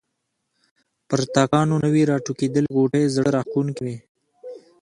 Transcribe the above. پر تاکانو نوي راټوکېدلي غوټۍ زړه راکښونکې وې.